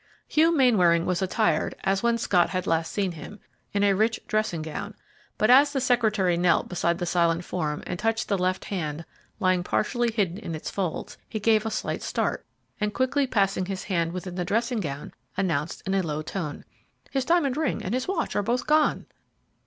Hugh Mainwaring was attired, as when Scott had last seen him, in a rich dressing gown; but as the secretary knelt beside the silent form and touched the left hand lying partially hidden in its folds, he gave a slight start, and, quickly passing his hand within the dressing gown, announced in a low tone, "His diamond ring and his watch are both gone!"